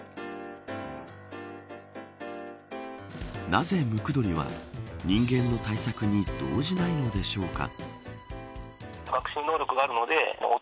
なぜムクドリは人間の対策に動じないのでしょうか。